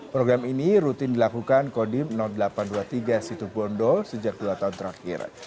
program ini rutin dilakukan kodim delapan ratus dua puluh tiga situ bondo sejak dua tahun terakhir